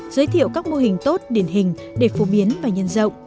giới thiệu các mô hình tốt điển hình để phổ biến và nhân rộng